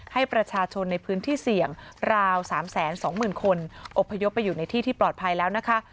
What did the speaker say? ให้ประชาชนในพื้นที่เสี่ยงราว๓๒๐๐๐คนอบพยพไปอยู่ในที่ที่ปลอดภัยแล้วนะคะ